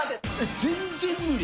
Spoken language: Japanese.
全然無理。